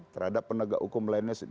terhadap penegak hukum lainnya